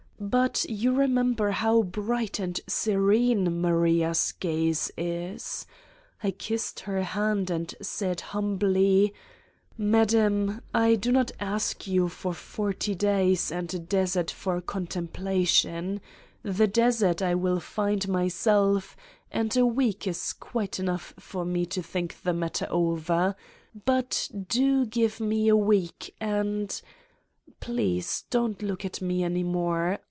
But you remember how bright and serene Maria's gaze is 1 I kissed her hand and said humbly :*' Madam ! I do not ask you for forty days and a desert for contemplation : the desert I will find 140 Satan's Diary myself and a week is quite enough for me to think the matter over. But do give me a week and ... please, don't look at me any more